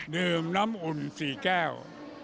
ดื่มน้ำอุ่น๔แก้ว